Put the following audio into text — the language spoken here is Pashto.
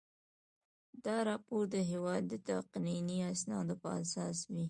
دا راپور د هیواد د تقنیني اسنادو په اساس وي.